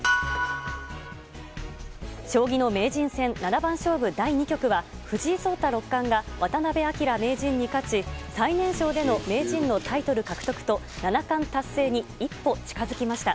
将棋の名人戦七番勝負の第２局が藤井聡太六冠が渡辺明名人に勝ち最年少での名人のタイトル獲得と七冠達成に一歩近づきました。